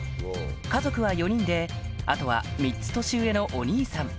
家族は４人であとは３つ年上のお兄さん